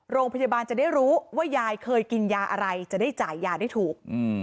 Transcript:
โรงพยาบาลจะได้รู้ว่ายายเคยกินยาอะไรจะได้จ่ายยาได้ถูก